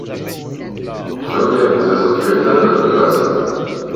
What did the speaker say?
Plone uzas objektan datumbazon.